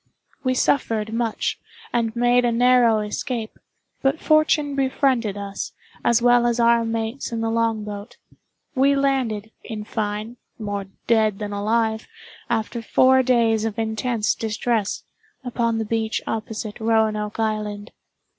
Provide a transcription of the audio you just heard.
We suffered much, and made a narrow escape; but fortune befriended us, as well as our mates in the long boat. We landed, in fine, more dead than alive, after four days of intense distress, upon the beach opposite Roanoke Island.